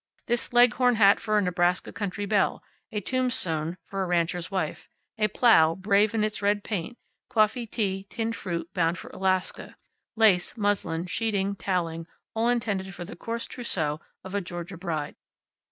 This leghorn hat for a Nebraska country belle; a tombstone for a rancher's wife; a plow, brave in its red paint; coffee, tea, tinned fruit, bound for Alaska; lace, muslin, sheeting, toweling, all intended for the coarse trousseau of a Georgia bride.